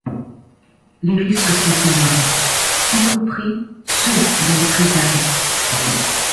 Les risques sont énormes, y compris ceux de représailles.